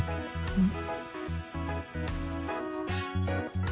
うん？